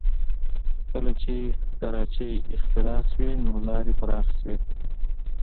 کله چې کراچۍ اختراع شوې نو لارې پراخه شوې